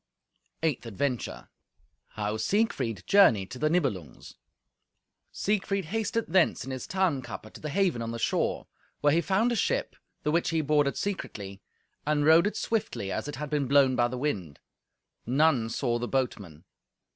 Eighth Adventure How Siegfried Journeyed to the Nibelungs Siegfried hasted thence in his Tarnkappe to the haven on the shore, where he found a ship, the which he boarded secretly, and rowed it swiftly, as it had been blown by the wind. None saw the boatman.